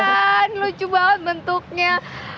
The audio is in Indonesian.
kasian lucu banget bentuknya